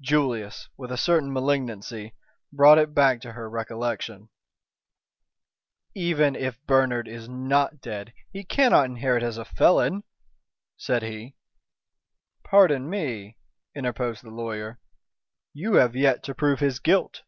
Julius, with a certain malignancy, brought it back to her recollection. "Even if Bernard is not dead he cannot inherit as a felon," said he. "Pardon me," interposed the lawyer. "You have yet to prove his guilt."